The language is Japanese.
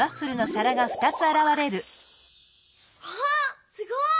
わっすごい！